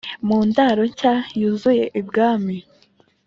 mundaro nshya yuzuye ibwami